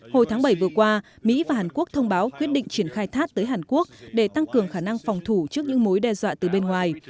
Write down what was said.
hồi tháng bảy vừa qua mỹ và hàn quốc thông báo quyết định triển khai thác tới hàn quốc để tăng cường khả năng phòng thủ trước những mối đe dọa từ bên ngoài